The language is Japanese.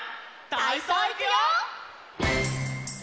たいそういくよ！